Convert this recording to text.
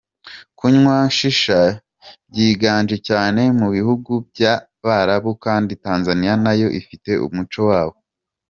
Kunywa shisha byiganje cyane mu bihugu by’Abarabu kandi Tanzania nayo ifite umuco wabo.